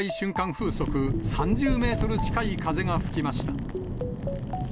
風速３０メートル近い風が吹きました。